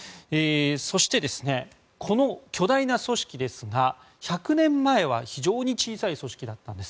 そして、この巨大な組織ですが１００年前は非常に小さい組織だったんです。